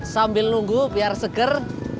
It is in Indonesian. sambil nunggu biar seger